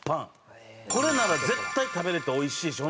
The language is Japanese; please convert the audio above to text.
これなら絶対食べられておいしいし。